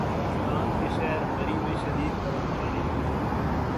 پاکستان کے شہر مری میں شدید برف باری